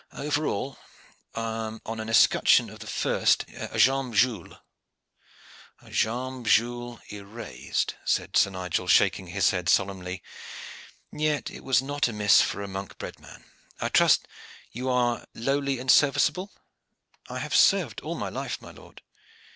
Over all, on an escutcheon of the first, a jambe gules." "A jambe gules erased," said Sir Nigel, shaking his head solemnly. "Yet it is not amiss for a monk bred man. I trust that you are lowly and serviceable?" "I have served all my life, my lord."